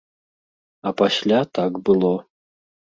А пасля так было.